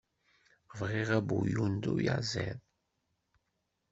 Bɣiɣ abuyun n uyaziḍ.